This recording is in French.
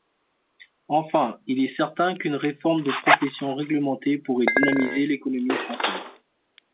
Enfin, il est certain qu’une réforme des professions réglementées pourrait dynamiser l’économie française.